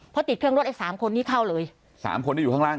เพราะติดเครื่องรถไอ้สามคนนี้เข้าเลยสามคนที่อยู่ข้างล่าง